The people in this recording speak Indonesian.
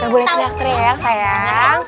boleh teriak teriak sayang